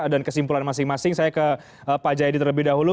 dan kesimpulan masing masing saya ke pak jayandi terlebih dahulu